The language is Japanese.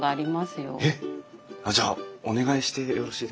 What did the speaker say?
えっ！あっじゃあお願いしてよろしいですか？